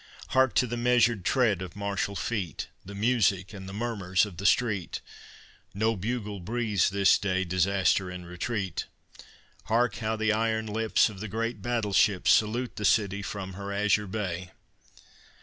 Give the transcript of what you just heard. Hark to the measured tread of martial feet, The music and the murmurs of the street! No bugle breathes this day Disaster and retreat! Hark, how the iron lips Of the great battle ships Salute the City from her azure Bay!